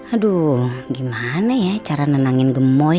aduh gimana ya cara nenangin gemoy